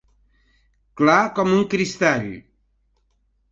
Clar com un cristall.